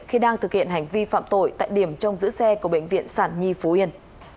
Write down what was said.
khi đang thực hiện hành vi phạm tội tại điểm trong giữ xe của bệnh viện sản nhi phú yên